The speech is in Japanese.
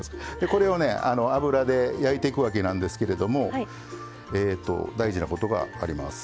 これをね油で焼いていくわけなんですけれども大事なことがあります。